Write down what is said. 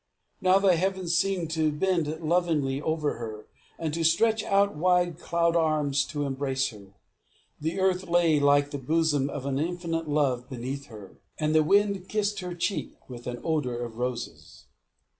Now the heavens seemed to bend lovingly over her, and to stretch out wide cloud arms to embrace her; the earth lay like the bosom of an infinite love beneath her, and the wind kissed her cheek with an odour of roses.